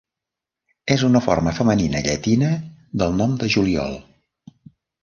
És una forma femenina llatina del nom de Juliol.